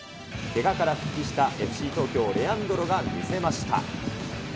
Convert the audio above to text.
けがから復帰したＦＣ東京、レアンドロが見せました。